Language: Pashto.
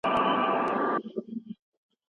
یو افغان له بل افغان څخه ډاریږي